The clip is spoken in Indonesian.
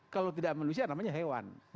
kalau tidak manusia namanya hewan